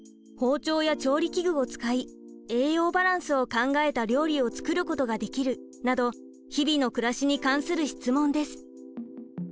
「包丁や調理器具を使い栄養バランスを考えた料理を作ることができる」など日々の暮らしに関する質問です。